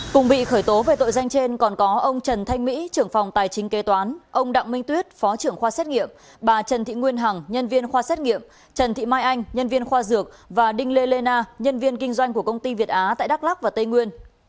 cùng bị khởi tố về tội danh trên còn có ông trần thanh mỹ trưởng phòng tài chính kế toán ông đặng minh tuyết phó trưởng khoa xét nghiệm bà trần thị nguyên hằng nhân viên khoa xét nghiệm trần thị mai anh nhân viên khoa dược và đinh lê lê na nhân viên kinh doanh của công ty việt á tại đắk lắc và tây nguyên